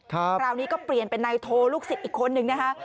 คราวนี้ก็เปลี่ยนเป็นนายโทลูกศิษย์อีกคนนึงนะคะ